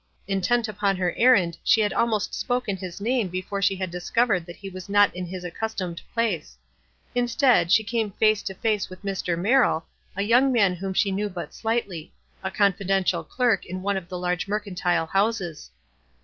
In tent upon her errand, she had almost spoken his name before she had discovered that he was not in his accustomed place. Instead, she came face to face with Mr. Merrill, a }'oung man whom she knew but slightly — a confidential clerk in one of the large mercantile houses.